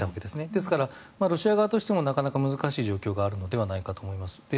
ですから、ロシア側としてもなかなか難しい状況があるのではないかと思います。